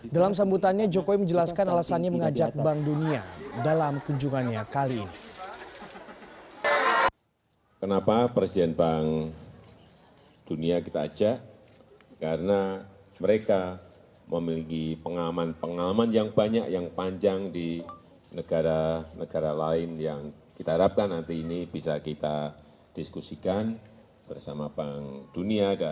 dalam sambutannya jokowi menjelaskan alasannya mengajak bank dunia dalam kunjungannya kali ini